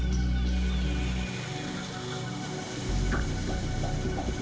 juga didapuk menjadi paru paru dunia